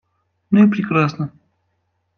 Ну и прекрасно.